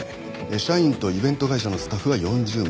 社員とイベント会社のスタッフが４０名。